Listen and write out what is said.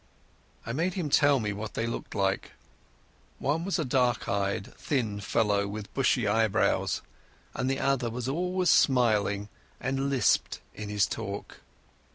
I made him tell me what they looked like. One was a dark eyed thin fellow with bushy eyebrows, the other was always smiling and lisped in his talk.